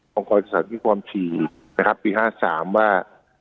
กรสัตว์มีความฉี่นะครับปี๕๓ว่า